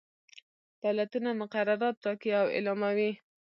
دولتونه مقررات ټاکي او اعلاموي.